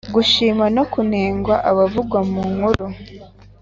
-gushima no kunenga abavugwa mu nkuru;